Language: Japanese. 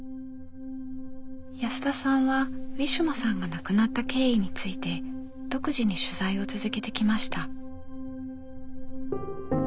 安田さんはウィシュマさんが亡くなった経緯について独自に取材を続けてきました。